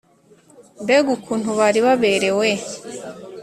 Mbega ukuntu bari baberewe